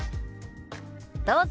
どうぞ。